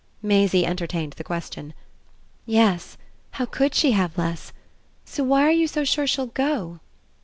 Maisie entertained the question. "Yes. How COULD she have less? So why are you so sure she'll go?"